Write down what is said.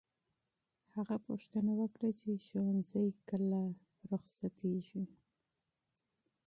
هغه پوښتنه وکړه چې ښوونځی کله رخصتېږي.